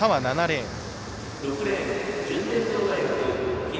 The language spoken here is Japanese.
７レーン。